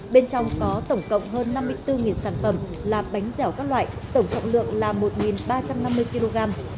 bên trong có tổng cộng hơn năm mươi bốn sản phẩm là bánh dẻo các loại tổng trọng lượng là một ba trăm năm mươi kg